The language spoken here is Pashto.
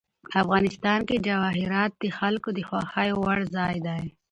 افغانستان کې جواهرات د خلکو د خوښې وړ ځای دی.